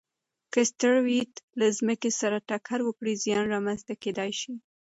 که اسټروېډ له ځمکې سره ټکر وکړي، زیان رامنځته کېدای شي.